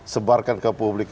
sebarkan ke publik